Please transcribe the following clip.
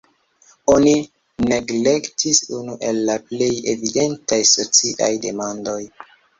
Oni neglektis unu el la plej evidentaj sociaj demandoj.